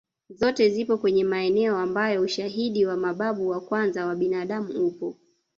Zote zipo kwenye maeneo ambapo ushahidi wa mababu wa kwanza kwa binadamu upo